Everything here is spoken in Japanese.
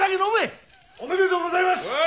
おめでとうございます。